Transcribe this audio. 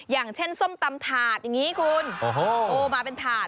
อย่างเช่นส้มตำถาดอย่างนี้คุณโอ้โหมาเป็นถาด